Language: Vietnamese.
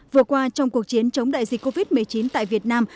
vừa qua trong cuộc chiến chống đại dịch covid một mươi chín tại việt nam